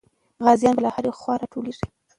غازیان به له هرې خوا راټولېږي.